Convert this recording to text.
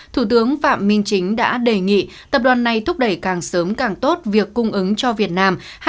thủ tướng phạm minh chính đã đề nghị tập đoàn này thúc đẩy càng sớm càng tốt việc cung ứng cho việt nam